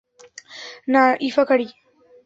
না, ইয়াকারি।